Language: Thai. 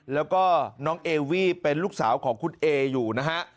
แล้วก็น้องเอวี่เป็นลูกสาวของคุณเออยู่นะฮะ